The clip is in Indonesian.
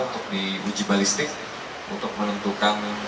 untuk diuji balistik untuk menentukan daya rusaknya